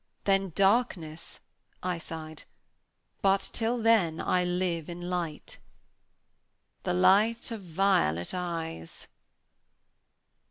"Then darkness!" I sighed. "But till then I live in light." "The light of violet eyes."